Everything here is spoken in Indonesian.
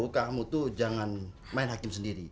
kamu tuh jangan main hakim sendiri